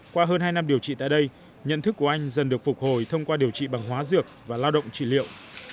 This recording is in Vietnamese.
qua hơn hai năm điều trị tại đây nhận thức của anh dần được phục hồi thông qua điều trị bằng hóa dược và lao động trị liệu